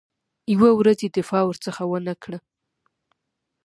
یوه ورځ یې دفاع ورڅخه ونه کړه.